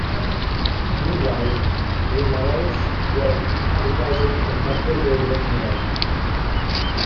Meanwhile, Guimarães worked in advertising in Metro Goldwyn-Mayer.